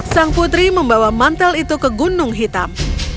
sang putri membawa mantel itu ke gunung hitam